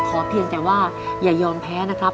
เพียงแต่ว่าอย่ายอมแพ้นะครับ